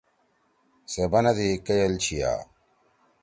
سے بنَدی کئیل چھیا۔